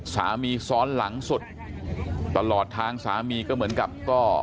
สามีซ้อนหลังสุดตลอดทางสามีก็เหมือนกับก็